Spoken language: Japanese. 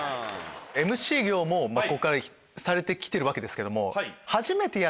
ＭＣ業もされて来てるわけですけども。